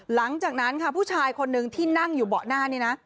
หลังจากนั้นค่ะผู้ชายคนนึงที่นั่งอยู่เบาะหน้านี่นะ